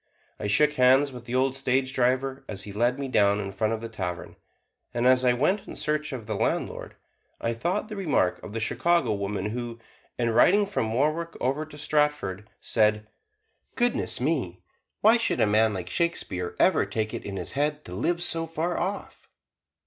I shook hands with the old stage driver as he let me down in front of the tavern; and as I went in search of the landlord, I thought of the remark of the Chicago woman who, in riding from Warwick over to Stratford, said, "Goodness me! why should a man like Shakespeare ever take it in his head to live so far off!"